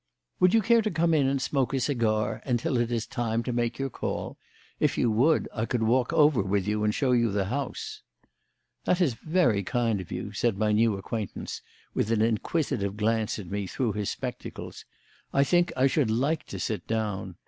"Would you care to come in and smoke a cigar until it is time to make your call? If you would, I could walk over with you and show you the house." "That is very kind of you," said my new acquaintance, with an inquisitive glance at me through his spectacles. "I think I should like to sit down.